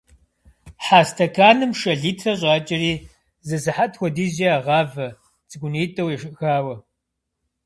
Хьэ стэканым шэ литр щӏакӏэри, зы сыхьэт хуэдизкӏэ ягъавэ, цӏыкӏунитӏэу ешэхауэ.